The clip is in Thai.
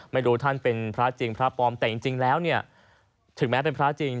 ไม่รู้ท่านเป็นพระจริงพระปลอมแต่จริงแล้วเนี่ยถึงแม้เป็นพระจริง